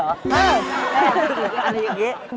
อะไรอย่างนี้